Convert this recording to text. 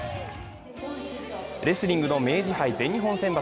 レスリングの明治杯全日本選抜。